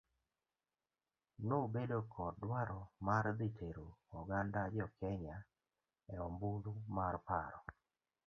Nomedo kod dwaro mar dhi tero oganda jokenya e ombulu mar paro.